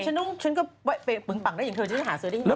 ฉันก็ไปปึงปังได้อย่างเธอจะได้หาเสื้อได้อย่างนี้